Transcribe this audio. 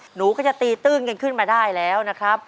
หนูก็จะตีตื้นกันขึ้นมาได้แล้วนะครับ